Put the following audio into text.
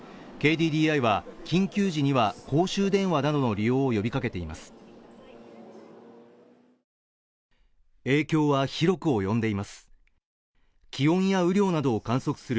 ＫＤＤＩは緊急時には公衆電話などの利用を呼びかけています。